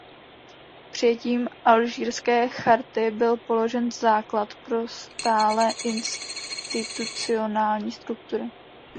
Přijetím Alžírské charty byl položen základ pro stálé institucionální struktury.